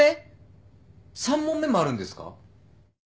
３問目もあるんですか！？